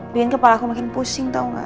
biar kepala aku makin pusing tau nggak